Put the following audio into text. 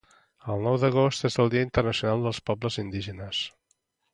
El nou d'agost és el dia internacional dels pobles indígenes